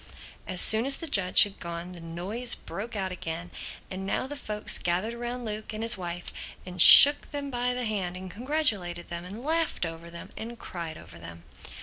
As soon as the judge had gone the noise broke out again; and now the folks gathered round Luke and his wife and shook them by the hand and congratulated them and laughed over them and cried over them.